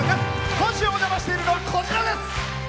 今週お邪魔しているのはこちらです。